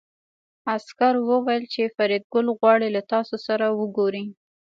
عسکر وویل چې فریدګل غواړي له تاسو سره وګوري